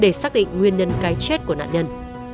để xác định nguyên nhân cái chết của nạn nhân